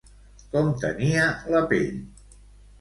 Com tenia la pell?